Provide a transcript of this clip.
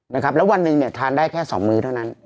นะครับแล้ววันหนึ่งเนี่ยทานได้แค่สองมื้อเท่านั้น